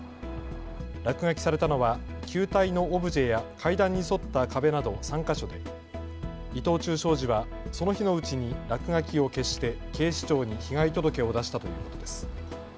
落書きされたのは球体のオブジェや階段に沿った壁など３か所で伊藤忠商事はその日のうちに落書きを消して警視庁に被害届を出したということです。